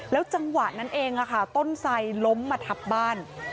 จังหวะนั้นเองต้นไสล้มมาทับบ้าน